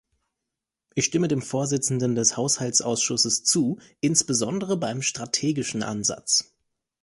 Ich stimme dem Vorsitzenden des Haushaltsausschusses zu, insbesondere beim strategischen Ansatz.